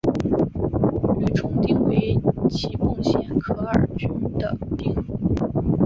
御嵩町为岐阜县可儿郡的町。